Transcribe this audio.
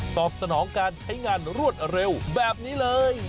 ตอบสนองการใช้งานรวดเร็วแบบนี้เลย